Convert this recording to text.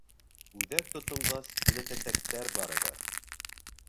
Үҙәк тотонғас, түләтәсәктәр барыбер.